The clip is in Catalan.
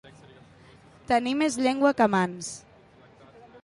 Tenir més llengua que mans.